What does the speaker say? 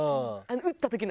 打った時の？